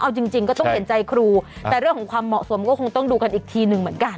เอาจริงจริงก็ต้องเห็นใจครูแต่เรื่องของความเหมาะสมก็คงต้องดูกันอีกทีหนึ่งเหมือนกัน